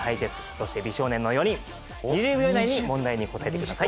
そして美少年の４人２０秒以内に問題に答えてください。